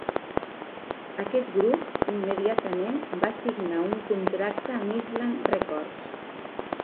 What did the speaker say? Aquest grup immediatament va signar un contracte amb Island Records.